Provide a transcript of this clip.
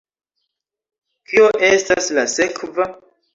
Kio estas la sekva?